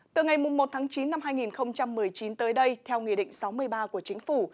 từ ngày một tháng chín năm hai nghìn một mươi chín tới đây theo nghị định sáu mươi ba của chính phủ